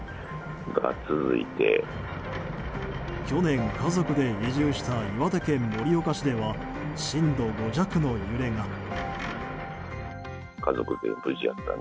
去年、家族で移住した岩手県盛岡市では震度５弱の揺れが。